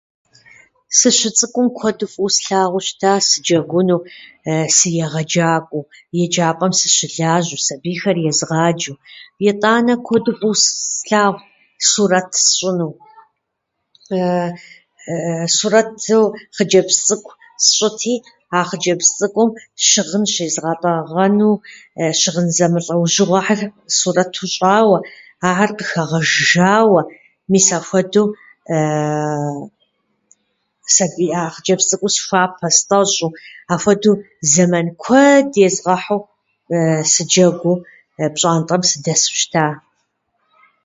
Сыщыцӏыкӏум куэду фӏыуэ слъагъуу щыта сыджэгуну сыегъэджакӏуэу, еджапӏэм сыщылажьэу, сабийхэр езгъаджэу. Итӏанэ куэду фӏыуэ с- слъагъут сурэт сщӏыну. Сурэту хъыджэбз цӏыкӏу сщӏыти, а хъыджэбз цӏыкӏум щыгъын щезгъэтӏэгъэну, щыгъын зэмылӏэужьыгъуэхьэр сурэту щӏауэ, ахэр къыхэгъэжыжауэ, мис апхуэдэу сабий- а хъыджэбз цӏыкӏур схуапэ-стӏэщӏу, ахуэдэу зэман куэд езгъэхьыу, сыджэгуу пщӏантӏэм сыдэсу щытащ.